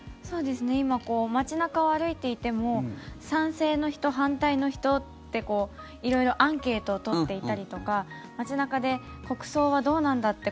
今、街中を歩いていても賛成の人、反対の人って色々アンケートを取っていたりとか街中で、国葬はどうなんだって